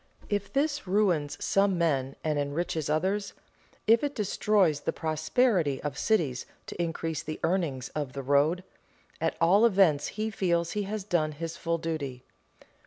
If this ruins some men and enriches others, if it destroys the prosperity of cities to increase the earnings of the road, at all events he feels he has done his full duty.